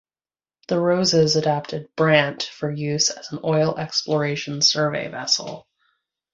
The Roses adapted "Brant" for use as an oil exploration survey vessel.